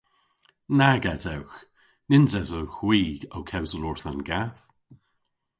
Nag esewgh! Nyns esewgh hwi ow kewsel orth an gath.